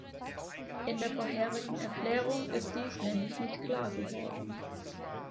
In der vorherigen Erklärung ist dies nämlich nicht klar geworden.